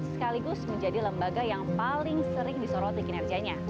sekaligus menjadi lembaga yang paling sering disorot di kinerjanya